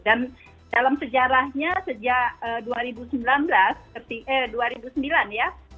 dan dalam sejarahnya sejak dua ribu sembilan belas eh dua ribu sembilan ya